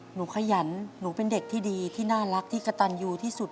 ขยันหนูเป็นเด็กที่ดีที่น่ารักที่กระตันยูที่สุด